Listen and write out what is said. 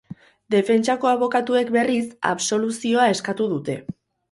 Defentsako abokatuek, berriz, absoluzioa eskatu dute.